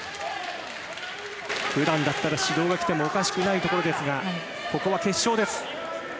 ふだんだったら指導がきてもおかしくないところですが、ここは決勝です。